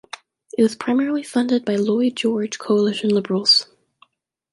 It was primarily funded by Lloyd George Coalition Liberals.